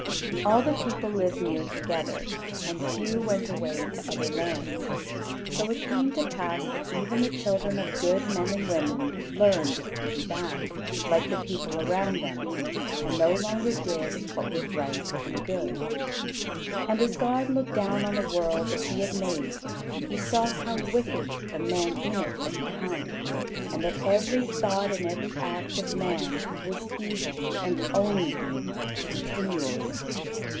All the people lived near together, and few went away to other lands; so it came to pass that even the children of good men and women learned to be bad, like the people around them, and no longer did what was right and good. And as God looked down on the world that he had made, he saw how wicked the men in it had become, and that every thought and every act of man was evil and only evil continually.